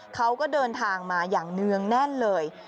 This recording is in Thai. เขาก็เดินทางมาอย่างเนื่องแน่นเลย